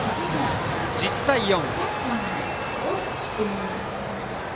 １０対４。